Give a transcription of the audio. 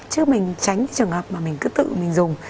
chứ mình tránh trường hợp mà mình cứ tự mình dùng